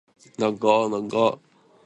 米大統領トランプ氏